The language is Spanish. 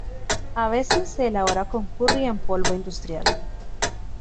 A veces se elabora con curry en polvo industrial.